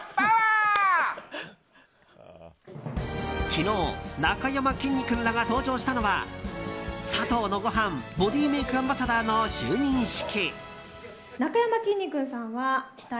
昨日、なかやまきんに君らが登場したのはサトウのごはんボディメイクアンバサダーの就任式。